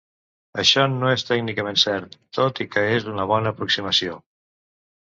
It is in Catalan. Això no és tècnicament cert, tot i que és una bona aproximació.